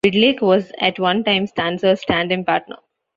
Bidlake was at one time Stancer's tandem partner.